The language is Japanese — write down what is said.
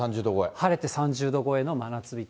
晴れて３０度超えの真夏日。